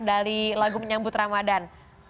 dari lagu menyambut ramadhan